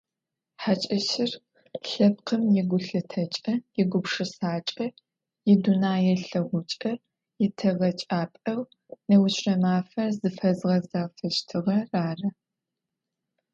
Хьакӏэщыр лъэпкъым игулъытэкӏэ, игупшысакӏэ, идунэелъэгъукӏэ итегъэкӏапӏэу неущрэ мафэр фызэзгъэзафэщтыгъэр ары.